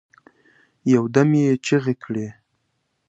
یو دم یې چیغي کړې